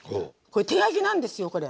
手書きなんですよこれ。